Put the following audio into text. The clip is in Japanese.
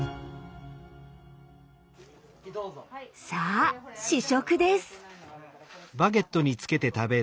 さあ試食です。